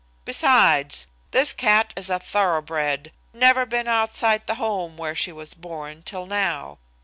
Besides, this cat is a thoroughbred, never been outside the home where she was born till now.